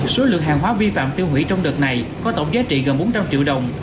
số lượng hàng hóa vi phạm tiêu hủy trong đợt này có tổng giá trị gần bốn trăm linh triệu đồng